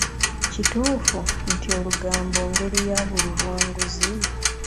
Kituufu nti olugambo ngeri ya buli bwa nguzi?